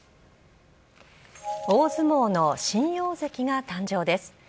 大相撲の新大関が誕生です。